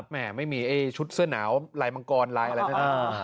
แหมไม่มีชุดเสื้อหนาวลายมังกรอะไรแบบนี้